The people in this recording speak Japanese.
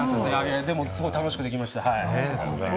でもすごく楽しくできました。